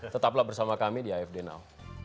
tetaplah bersama kami di afd now